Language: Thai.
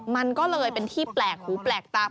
มันก็เลยเป็นที่แปลกหูแปลกตา